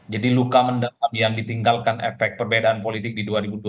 jadi luka mendalam yang ditinggalkan efek perbedaan politik di dua ribu dua puluh empat